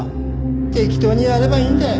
適当にやればいいんだよ。